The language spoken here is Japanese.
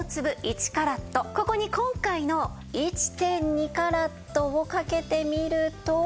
ここに今回の１．２カラットをかけてみると？